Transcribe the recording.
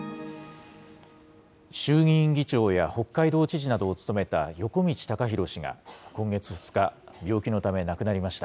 衆議院議長や北海道知事などを務めた横路孝弘氏が、今月２日、病気のため亡くなりました。